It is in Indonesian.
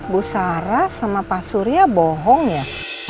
bu sarah sama pak surya bohong ya